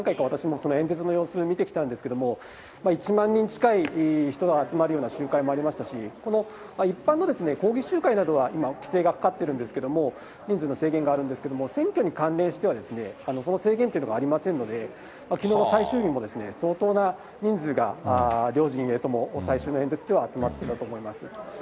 私も演説の様子を見てきたんですけれども、１万人近い人が集まるような集会もありましたし、一般の抗議集会などは今、規制がかかってるんですけれども、人数の制限があるんですけれども、選挙に関連しては、その制限というのがありませんので、きのうの最終日も、相当な人数が両陣営とも、最終の演説では集まっていたと思います。